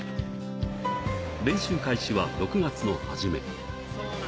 練習開始は６月の初め。